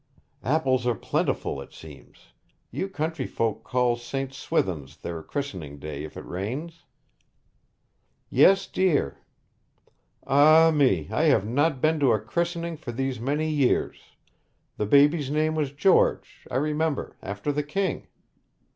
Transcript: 'Apples are plentiful, it seems. You country folk call St. Swithin's their christening day, if it rains?' 'Yes, dear. Ah me! I have not been to a christening for these many years; the baby's name was George, I remember after the King.'